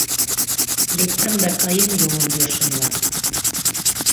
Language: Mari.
Лектам да каем йомын йӧршынлан